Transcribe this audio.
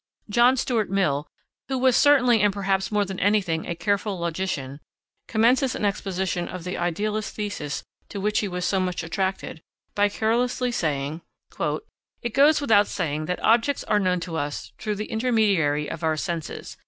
John Stuart Mill, who was certainly and perhaps more than anything a careful logician, commences an exposition of the idealist thesis to which he was so much attached, by carelessly saying: "It goes without saying that objects are known to us through the intermediary of our senses....